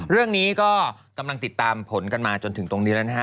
เรื่องนี้ก็กำลังติดตามผลกันมาจนถึงตรงนี้แล้วนะฮะ